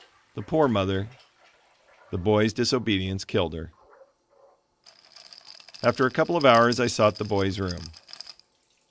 The poor mother! The boy's disobedience killed her. After a couple of hours I sought the boy's room.